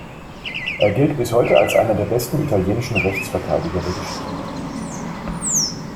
Er gilt bis heute als einer der besten italienischen Rechtsverteidiger der Geschichte.